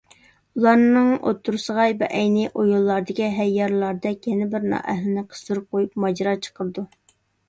ئۇلارنىڭ ئوتتۇرىسىغا بەئەينى ئويۇنلاردىكى ھەييارلاردەك يەنە بىر نائەھلىنى قىستۇرۇپ قويۇپ ماجىرا چىقىرىدۇ.